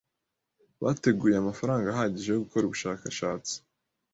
Bateguye amafaranga ahagije yo gukora ubushakashatsi.